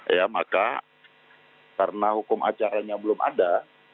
ya maka karena hukum acaranya belum ada